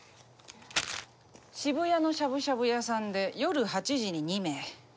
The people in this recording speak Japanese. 渋谷のしゃぶしゃぶ屋さんで夜８時に２名。